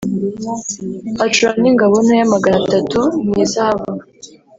Acura n’ingabo ntoya magana atatu mu izahabu